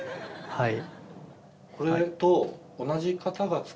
はい。